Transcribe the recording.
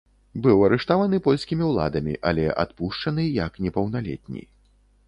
Быў арыштаваны польскімі ўладамі, але адпушчаны як непаўналетні.